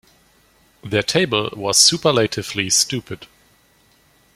Their table was superlatively stupid.